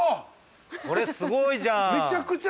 これすごいじゃん。